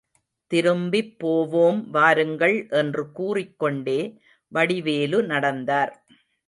திரும்பிப் போவோம் வாருங்கள் என்று கூறிக்கொண்டே வடிவேலு நடந்தார்.